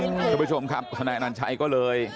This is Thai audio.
ทุกผู้ที่ชมครับแบบนั้นใช่ก็เลย